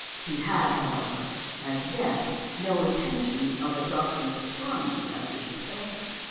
He had, however, as yet no intention of adopting astronomy as his profession.